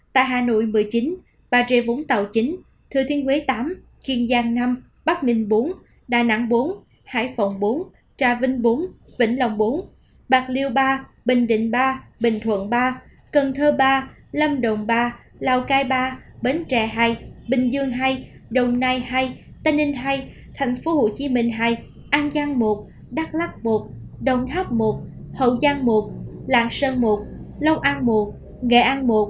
tại hà nội một mươi chín bà rê vũng tàu chín thư thiên quế tám kiên giang năm bắc ninh bốn đà nẵng bốn hải phòng bốn trà vinh bốn vĩnh lòng bốn bạc liêu ba bình định ba bình thuận ba cần thơ ba lâm đồng ba lào cai ba bến trẻ hai bình dương hai đồng nai hai tây ninh hai thành phố hồ chí minh hai an giang một đắk lắc một đồng tháp một hậu giang một lạng sơn một lâu an một nghệ an một